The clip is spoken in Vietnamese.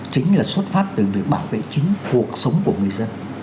chính là xuất phát từ việc bảo vệ chính cuộc sống của người dân